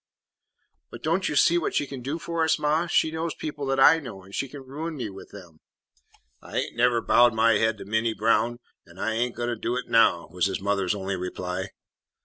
"But don't you see what she can do for us, ma? She knows people that I know, and she can ruin me with them." "I ain't never bowed my haid to Minty Brown an' I ain't a goin' to do it now," was his mother's only reply.